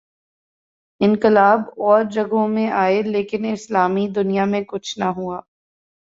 انقلاب اور جگہوں میں آئے لیکن اسلامی دنیا میں کچھ نہ ہوا۔